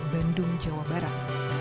bandung jawa barat